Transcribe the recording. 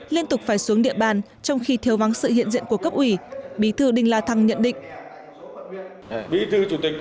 liên tục phải xuống địa bàn trong khi thiếu vắng sự hiện diện của cấp ủy bí thư đinh la thăng nhận định